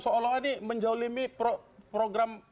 seolah olah ini menjaulimi program